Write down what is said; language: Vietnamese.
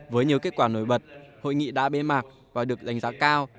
với nhiều kết quả nổi bật hội nghị đã bế mạc và được đánh giá cao